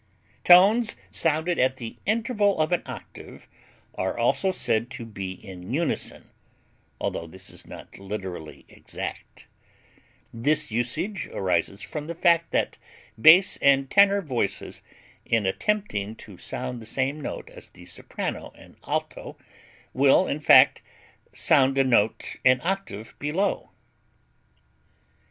Tones sounded at the interval of an octave are also said to be in unison, altho this is not literally exact; this usage arises from the fact that bass and tenor voices in attempting to sound the same note as the soprano and alto will in fact sound a note an octave below.